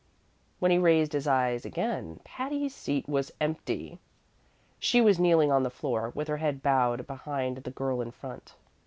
When he raised his eyes again Patty's seat was empty. She was kneeling on the floor, with her head bowed behind the girl in front.